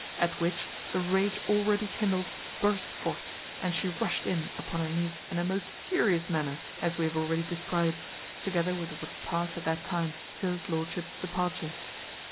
At which the rage already kindled burst forth, and she rushed in upon her niece in a most furious manner, as we have already described, together with what past at that time till his lordship's departure.